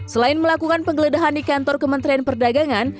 selain melakukan penggeledahan di kantor kementerian perdagangan